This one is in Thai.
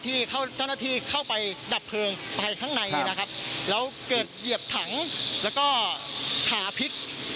ที่เข้าเจ้าหน้าที่เข้าไปดับเพลิงไปข้างในนะครับแล้วเกิดเหยียบถังแล้วก็ขาพิษ